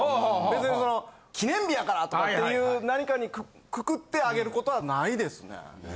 別にその記念日やから！とかっていう何かにくくってあげることはないですね。